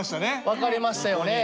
分かれましたよね。